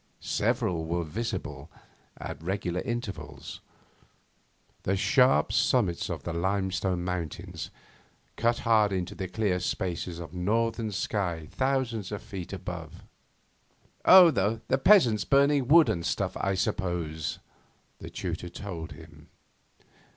Several were visible, at regular intervals. The sharp summits of the limestone mountains cut hard into the clear spaces of northern sky thousands of feet above. 'Oh, the peasants burning wood and stuff, I suppose,' the tutor told him.